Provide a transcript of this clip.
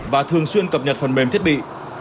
và thường xuyên cập nhật phần mềm thiết bị